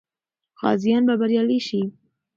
غازیان به بریالي سي.